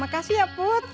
makasih ya put